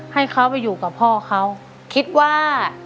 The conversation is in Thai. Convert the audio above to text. ให้เขาไปอยู่กับพ่อเขา